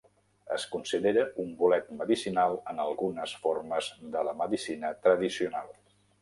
Es considera un bolet medicinal en algunes formes de la medicina tradicional.